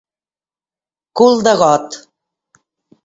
Cul de got.